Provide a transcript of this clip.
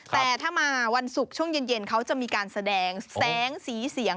แต่ถ้ามาวันศุกร์ช่วงเย็นเขาจะมีการแสดงแสงสีเสียง